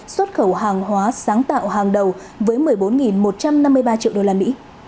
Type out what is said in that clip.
xuất khẩu hàng hóa sáng tạo hàng đầu với một mươi bốn một trăm năm mươi ba triệu usd